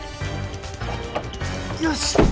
よし！